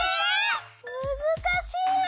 むずかしい。